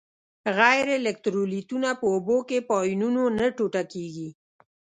غیر الکترولیتونه په اوبو کې په آیونونو نه ټوټه کیږي.